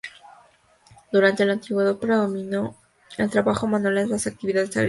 Durante la antigüedad predominó el trabajo manual en las actividades agrícolas.